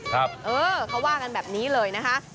เออเขาว่ากันแบบนี้เลยนะคะ